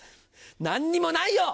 何にもないよ！